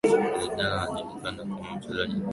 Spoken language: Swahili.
Zidane anajulikana kama mchezaji bora kutoka Ulaya